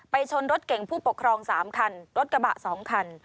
ชนรถเก่งผู้ปกครอง๓คันรถกระบะ๒คัน